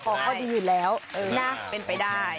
ของเค้าดีอยู่แล้วนะ